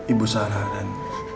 ibu sarah dan